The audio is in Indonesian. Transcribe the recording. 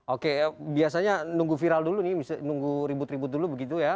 oke biasanya nunggu viral dulu nih nunggu ribut ribut dulu begitu ya